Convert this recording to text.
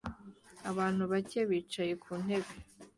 Abantu bake bicaye ku ntebe